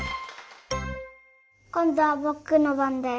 こんどはぼくのばんだよ。